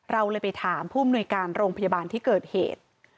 เราเลยไปถามผู้อำนวยการโรงพยาบาลที่เกิดเหตุ